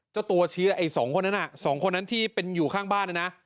เจ้าตัวชี้ไอ่๒คนนั้นอะ๒คนนั้นที่เป็นอยู่ข้างบ้านนะ